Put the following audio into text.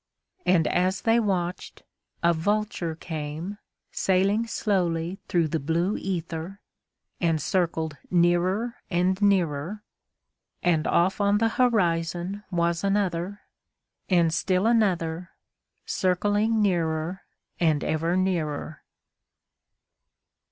And as they watched, a vulture came sailing slowly through the blue ether, and circled nearer and nearer; and off on the horizon was another—and still another, circling nearer and ever nearer.